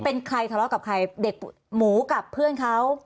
เป็นใครทะเลาะกับใครเด็กหมูกับเพื่อนเขา